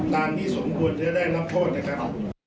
ตามที่สมควรจะได้รับโทษนะครับ